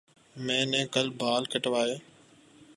میں نے کل بال کٹوائے